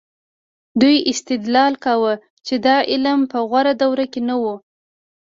دوی استدلال کاوه چې دا علم په غوره دوره کې نه و.